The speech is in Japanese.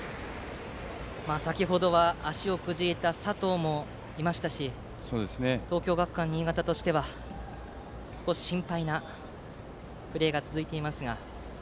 先程は足をくじいた佐藤もいましたし東京学館新潟としては少し心配なプレーが続いています。